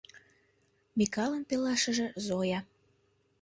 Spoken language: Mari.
Микалын пелашыже, Зоя.